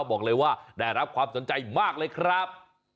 บอกเลยว่าได้รับความสนใจมากเลยครับ